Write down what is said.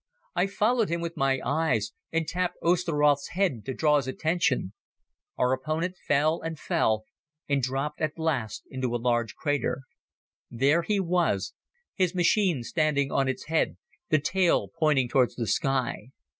I followed him with my eyes and tapped Osteroth's head to draw his attention. Our opponent fell and fell and dropped at last into a large crater. There he was, his machine standing on its head, the tail pointing towards the sky.